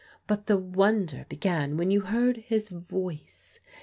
But the wonder began when you heard his voice.